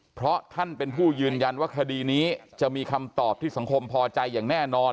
เพราะท่านเป็นผู้ยืนยันว่าคดีนี้จะมีคำตอบที่สังคมพอใจอย่างแน่นอน